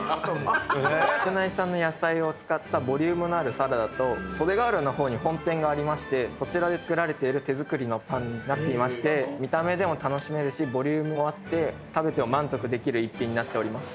国内産の野菜を使ったボリュームのあるサラダと袖ケ浦の方に本店がありましてそちらで作られている手作りのパンになっていまして見た目でも楽しめるしボリュームもあって食べても満足できる一品になっております。